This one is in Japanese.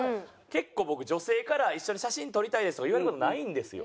結構僕女性から「一緒に写真撮りたいです」とか言われた事ないんですよ。